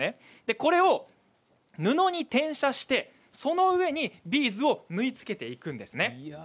これを布に転写してその上にビーズを縫い付けていくんですね。